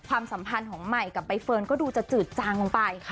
ความสัมพันธ์ของใหม่กับใบเฟิร์นก็ดูจะจืดจางลงไป